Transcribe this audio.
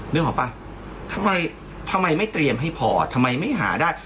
นึกออกป่ะทำไมทำไมไม่เตรียมให้พอทำไมไม่หาได้